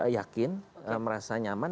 yakin merasa nyaman